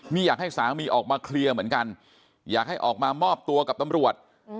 นี่อยากให้สามีออกมาเคลียร์เหมือนกันอยากให้ออกมามอบตัวกับตำรวจ